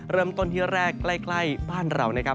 เริ่มต้นที่แรกใกล้บ้านเรานะครับ